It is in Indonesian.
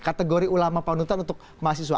kategori ulama panutan untuk mahasiswa